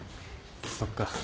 そっか。